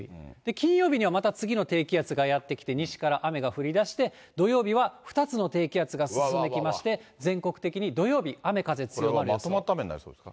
金曜日にはまた次の低気圧がやって来て、西から雨が降りだして、土曜日は２つの低気圧が進んできまして、全国的に土曜日、これはまとまった雨になりそそうです。